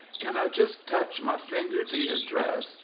Can I just touch my finger to your dress?